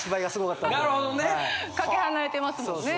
かけ離れてますもんね。